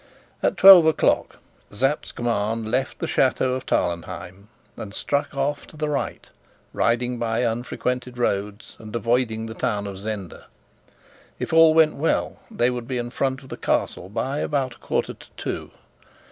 At twelve o'clock, Sapt's command left the chateau of Tarlenheim and struck off to the right, riding by unfrequented roads, and avoiding the town of Zenda. If all went well, they would be in front of the Castle by about a quarter to two.